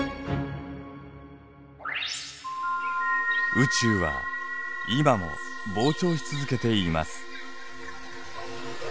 宇宙は今も膨張し続けています。